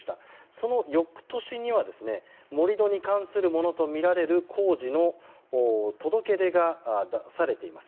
その翌年には盛り土に関するものとみられる工事の届け出が出されています。